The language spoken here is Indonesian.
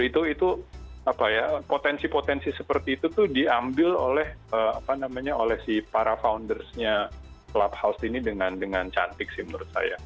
itu potensi potensi seperti itu tuh diambil oleh si para foundersnya clubhouse ini dengan cantik sih menurut saya